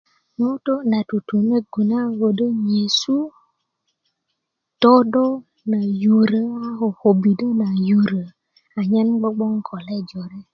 ŋutu na tutunogu na kodo nyesu dodo na yurö a ko kobido na yurö anyen bgobgoŋ ko le jore parik